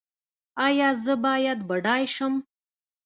ایا زه باید بډای شم؟